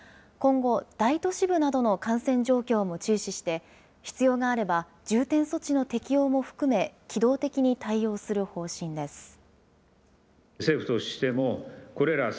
今後、大都市部などの感染状況も注視して、必要があれば重点措置の適用も含め、機動的に対応する方針です。